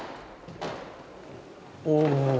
お。